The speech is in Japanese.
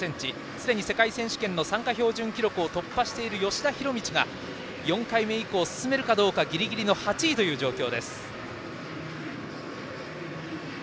すでに世界選手権参加標準記録を突破している吉田弘道が４回目以降に進めるかどうかギリギリの８位という状況。